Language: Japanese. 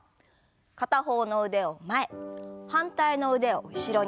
片方の腕を前反対の腕を後ろに。